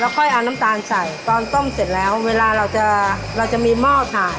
ค่อยเอาน้ำตาลใส่ตอนต้มเสร็จแล้วเวลาเราจะเราจะมีหม้อถ่าน